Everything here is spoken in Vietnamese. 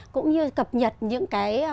cũng như cập nhật những